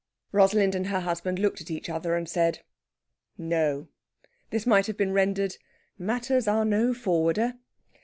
Rosalind and her husband looked at each other and said, "No!" This might have been rendered, "Matters are no forwarder."